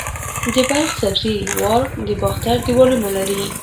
د بلخ سبزې وار د باختر دیوالونه لري